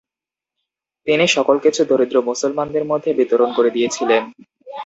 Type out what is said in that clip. তিনি সকল কিছু দরিদ্র মুসলমানদের মধ্যে বিতরণ করে দিয়েছিলেন।